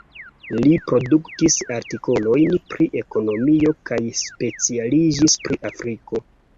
Li produktis artikolojn pri ekonomio kaj specialiĝis pri Afriko.